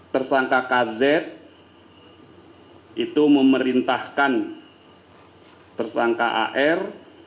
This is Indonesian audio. tersangka kz itu memerintahkan tersangka ar